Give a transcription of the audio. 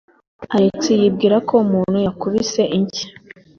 Alex yibwira ko umuntu yakubise inshyi.